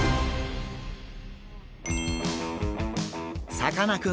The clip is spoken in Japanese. さかなクン